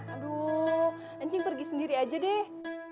aduh anjing pergi sendiri aja deh